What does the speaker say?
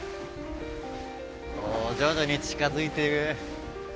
おお徐々に近づいてる。